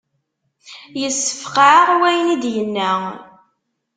Yessefqeε-aɣ wayen i d-yenna.